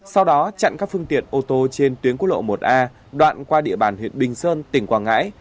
sau đó chặn các phương tiện ô tô trên tuyến quốc lộ một a đoạn qua địa bàn huyện bình sơn tỉnh quảng ngãi